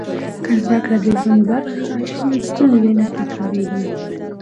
که زده کړه د ژوند برخه شي، ستونزې نه تکرارېږي.